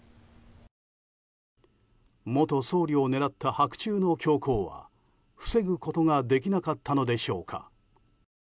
元総理を狙った白昼の凶行は防ぐことができなかったのでしょうか。